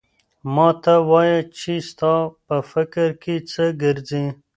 ما ته وایه چې ستا په فکر کې څه ګرځي؟